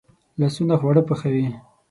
لاسونه خواړه پخوي